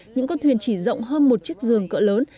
những con thuyền chỉ rộng hơn một chiếc giường cỡ lớn